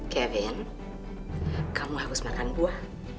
kevin kamu harus makan buah